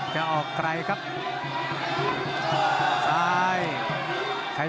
จะออกไกลครับซ้าย